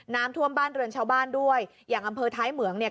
น้ำท่วมบ้านเรือนชาวบ้านด้วยอย่างอำเภอท้ายเหมืองเนี่ย